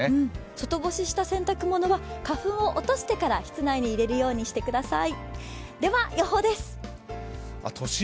外干しした洗濯物は花粉を落としてから室内に入れるようにしてください。